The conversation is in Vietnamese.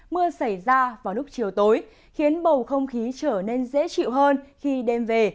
mưa xảy ra vào lúc chiều tối khiến bầu không khí trở nên dễ chịu hơn khi đêm về